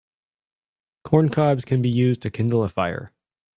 Corn cobs can be used to kindle a fire.